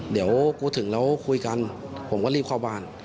เดี๋ยวกูถึงแล้วคุยกันผมก็รีบเข้าบ้าน